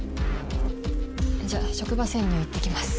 じゃあ職場潜入行って来ます。